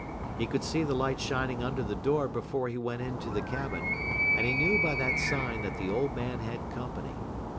He could see the light shining under the door before he went into the cabin, and he knew by that sign that the old man had company.